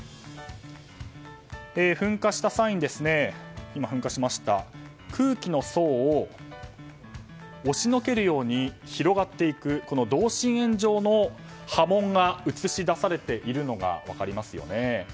噴火した際に空気の層を押しのけるように広がっていく同心円状の波紋が映し出されているのが分かりますよね。